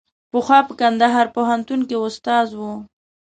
پخوا په کندهار پوهنتون کې استاد و.